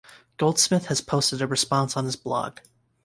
Goldsmith has posted a response on his blog.